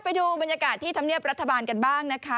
ไปดูบรรยากาศที่ธรรมเนียบรัฐบาลกันบ้างนะคะ